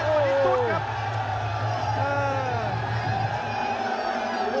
โอ้โห